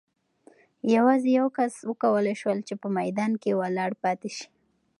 یوازې یو کس وکولای شول چې په میدان کې ولاړ پاتې شي.